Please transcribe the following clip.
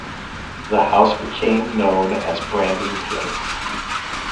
The house became known as Brandon Place.